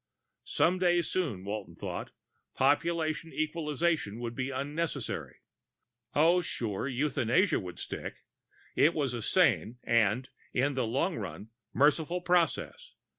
Some day soon, Walton thought, population equalization would be unnecessary. Oh, sure, euthanasia would stick; it was a sane and, in the long run, merciful process.